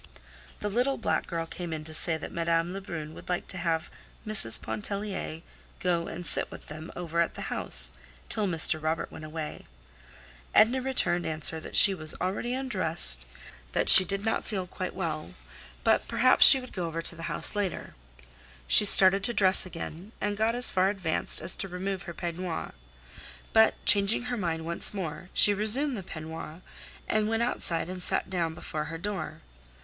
The little black girl came in to say that Madame Lebrun would like to have Mrs. Pontellier go and sit with them over at the house till Mr. Robert went away. Edna returned answer that she had already undressed, that she did not feel quite well, but perhaps she would go over to the house later. She started to dress again, and got as far advanced as to remove her peignoir. But changing her mind once more she resumed the peignoir, and went outside and sat down before her door.